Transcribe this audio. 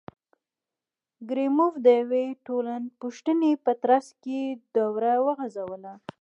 کریموف د یوې ټولپوښتنې په ترڅ کې دوره وغځوله.